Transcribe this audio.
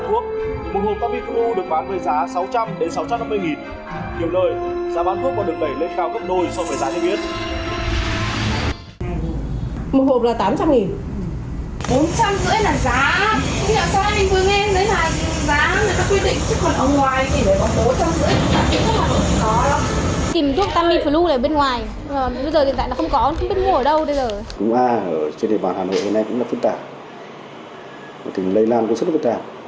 thuốc a ở trên đề bàn hà nội hôm nay cũng là phức tạp tình lây lan cũng rất là phức tạp